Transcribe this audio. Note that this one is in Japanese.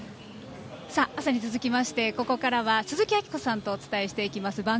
朝に続きましてここからは鈴木明子さんとお伝えしていきます。